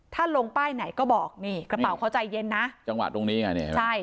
ถ้าลงป้ายไหนก็บอกนี่กระเป๋าเขาใจเย็นนะจังหวะตรงนี้ไงนี่เห็นไหมใช่